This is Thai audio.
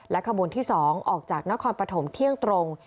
ขบวนที่๒ออกจากนครปฐมเที่ยงตรง